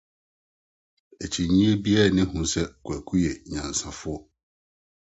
Akyinnye biara nni ho sɛ Kwaku yɛ onyansafo.